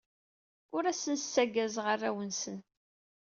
Ur asen-ssaggazeɣ arraw-nsen.